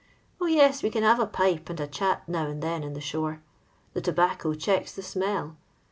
Oh, yes, we cm have a pipe and a chat now and then in the sktn. The tobacco checks the smell.